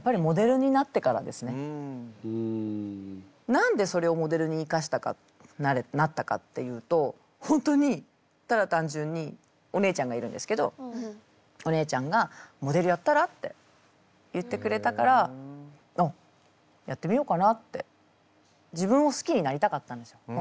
何でそれをモデルに生かしたかなったかっていうと本当にただ単純にお姉ちゃんがいるんですけどお姉ちゃんがモデルやったら？って言ってくれたからあっやってみようかなって。